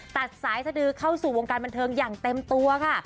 ตัดสายสดือเข้าสู่วงการบันเทิงอย่างเต็มตัวค่ะ